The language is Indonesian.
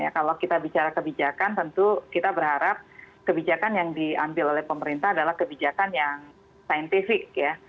kalau kita bicara kebijakan tentu kita berharap kebijakan yang diambil oleh pemerintah adalah kebijakan yang saintifik ya